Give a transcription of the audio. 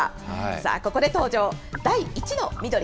さあ、ここで登場、第１の緑。